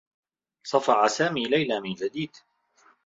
صفع سامي ليلى من جديد.